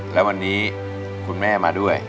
แล้ววันนี้คุณแม่มาด้วย